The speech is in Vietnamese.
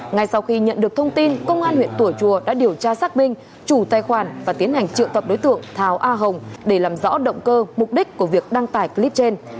ngay sau khi nhận được thông tin công an huyện tủa chùa đã điều tra xác minh chủ tài khoản và tiến hành triệu tập đối tượng tháo a hồng để làm rõ động cơ mục đích của việc đăng tải clip trên